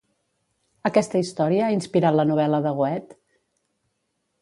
Aquesta història ha inspirat la novel·la de Goethe?